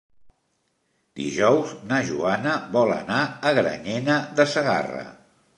Dijous na Joana vol anar a Granyena de Segarra.